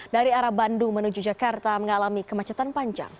dari arah bandung menuju jakarta mengalami kemacetan panjang